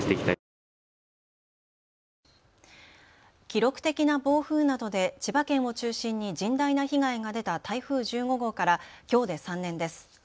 記録的な暴風などで千葉県を中心に甚大な被害が出た台風１５号からきょうで３年です。